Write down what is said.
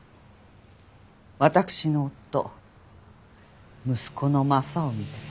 私の夫息子の雅臣です。